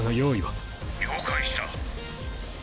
了解した。